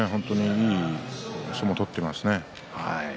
いい相撲を取ってますね。